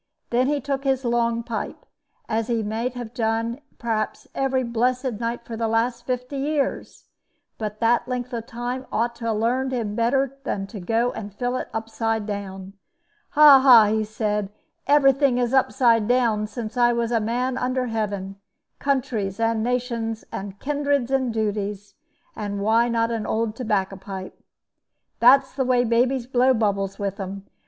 Then he took his long pipe, as he may have done perhaps every blessed night for the last fifty years; but that length of time ought to have learned him better than to go for to fill it upside down. 'Ha, ha!' he said; 'every thing is upside down since I was a man under heaven countries and nations and kindreds and duties; and why not a old tobacco pipe? That's the way babies blow bubbles with them.